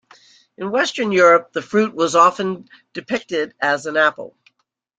In Western Europe, the fruit was often depicted as an apple.